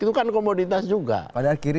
itu kan komoditas juga padahal kiri